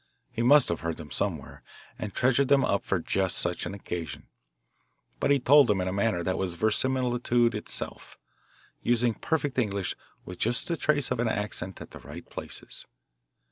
He must have heard them somewhere, and treasured them up for just such an occasion, but he told them in a manner that was verisimilitude itself, using perfect English with just the trace of an accent at the right places.